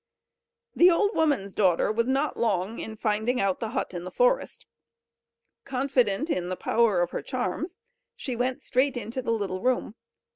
The old woman's daughter was not long in finding out the hut in the forest. Confident in the power of her charms she went straight into the little room.